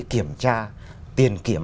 kiểm tra tiền kiểm